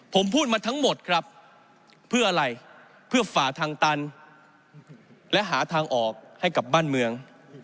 ผมพูดมาทั้งหมดครับเพื่ออะไรเพื่อฝ่าทางตันและหาทางออกให้กับบ้านเมือง